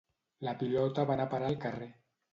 La pilota va anar a parar al carrer.